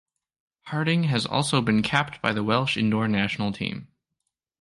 Harding has also been capped by the Welsh indoor national team.